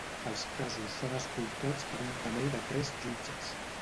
Els casos són escoltats per un panell de tres jutges.